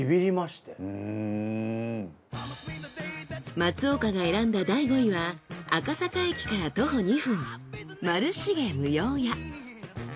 松岡が選んだ第５位は赤坂駅から徒歩２分まるしげ夢葉家。